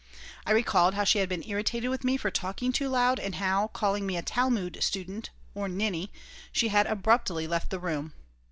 I recalled how she had been irritated with me for talking too loud and how, calling me "Talmud student," or ninny, she had abruptly left the room.